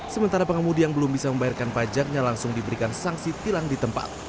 sementara pengemudi yang belum bisa membayarkan pajaknya langsung diberikan sanksi tilang di tempat